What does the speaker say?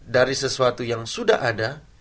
dari sesuatu yang sudah ada